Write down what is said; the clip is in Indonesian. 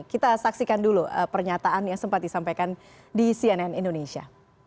kita saksikan dulu pernyataan yang sempat disampaikan di cnn indonesia